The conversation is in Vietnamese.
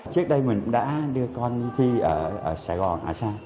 trước đây mình đã đưa con thi ở sài gòn